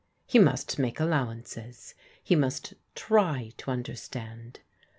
He must make allowances; he must try to understand.